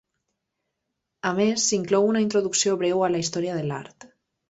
A més, s'inclou una introducció breu a la Història de l'Art.